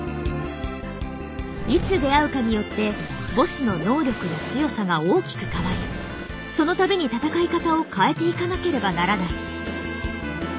いつ出会うかによってボスの能力や強さが大きく変わりその度に戦い方を変えていかなければならない。